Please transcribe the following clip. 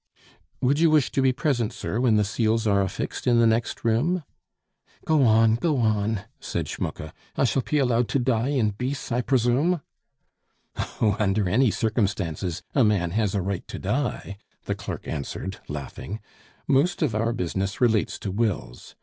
"Would you wish to be present, sir, when the seals are affixed in the next room?" "Go on, go on," said Schmucke; "I shall pe allowed to die in beace, I bresume?" "Oh, under any circumstances a man has a right to die," the clerk answered, laughing; "most of our business relates to wills.